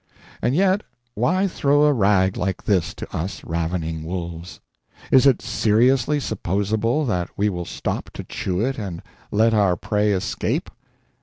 And yet, why throw a rag like this to us ravening wolves? Is it seriously supposable that we will stop to chew it and let our prey escape?